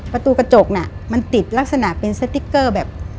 ประตูกระจกน่ะมันติดลักษณะเป็นสติ๊กเกอร์แบบ